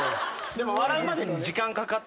でも。